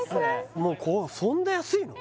もうそんな安いの？